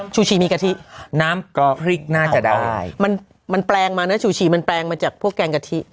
ชูชีมีกะทิน้ำก็พริกน่าจะได้มันมันแปลงมาเนื้อชูชีมันแปลงมาจากพวกแกงกะทิ